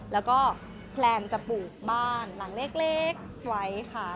แล้วก็แพลนจะปลูกบ้านหลังเล็กไว้ค่ะ